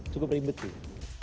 cukup ribet sih